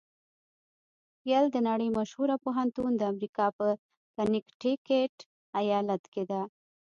یل د نړۍ مشهوره پوهنتون د امریکا په کنېکټیکیټ ایالات کې ده.